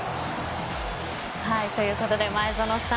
ということで前園さん